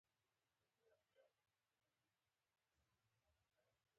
افغانستان د تنوع له پلوه له نورو هېوادونو سره اړیکې لري.